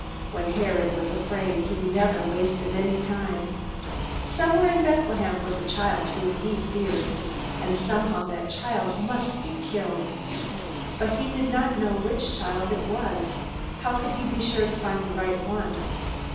When Herod was afraid, he never wasted any time. Somewhere in Bethlehem was a child whom he feared, and somehow that child must be killed. But he did not know which child it was. How could he be sure to find the right one?